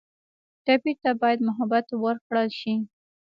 ټپي ته باید محبت ورکړل شي.